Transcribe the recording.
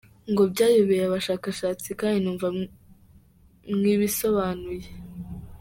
ngo byayobeye abashakashatsi kd numva mwibisobanuye.